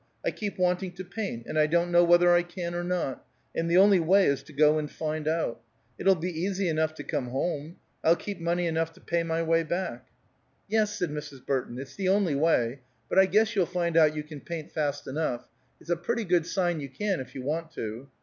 I keep wanting to paint, and I don't know whether I can or not, and the only way is to go and find out. It'll be easy enough to come home. I'll keep money enough to pay my way back." "Yes," said Mrs. Burton, "it's the only way. But I guess you'll find out you can paint fast enough. It's a pretty good sign you can, if you want to."